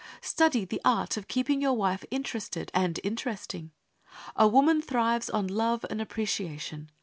Study the art of keeping your wife interested and interesting. A woman thrives on love and appreciation.